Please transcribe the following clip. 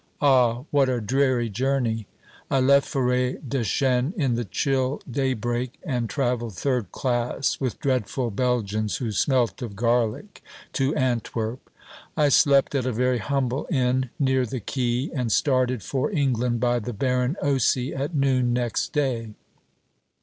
Ah, what a dreary journey! I left Forêtdechêne in the chill daybreak, and travelled third class, with dreadful Belgians who smelt of garlic, to Antwerp. I slept at a very humble inn near the quay, and started for England by the Baron Osy at noon next day.